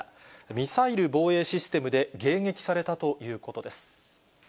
ミサイル防衛システムで迎撃されたということです。